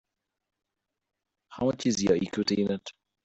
How much is your equity in it?